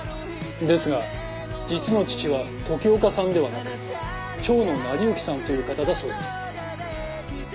ですが実の父は時岡さんではなく蝶野成行さんという方だそうです。